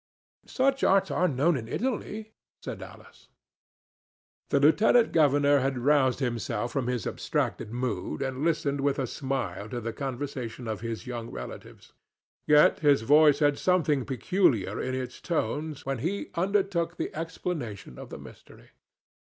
"Such arts are known in Italy," said Alice. The lieutenant governor had roused himself from his abstracted mood, and listened with a smile to the conversation of his young relatives. Yet his voice had something peculiar in its tones when he undertook the explanation of the mystery.